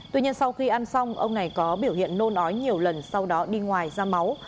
tuy nhiên sau khi ăn xong ông này có biểu hiện nôn ói nhiều lần sau đó đi ngoài ra máu